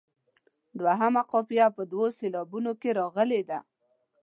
دوهمه قافیه په دوو سېلابونو کې راغلې ده.